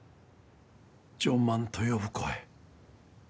「ジョン万」と呼ぶ声。